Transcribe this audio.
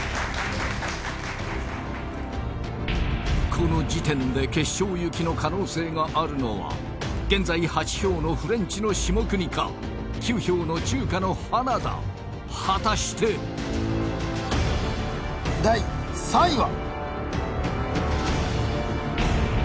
この時点で決勝行きの可能性があるのは現在８票のフレンチの下國か９票の中華の花田果たして第３位は？